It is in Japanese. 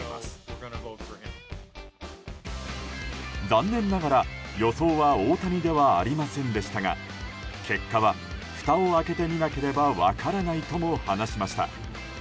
残念ながら、予想は大谷ではありませんでしたが結果は、ふたを開けてみなければ分からないとも話しました。